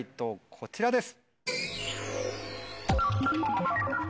こちらです。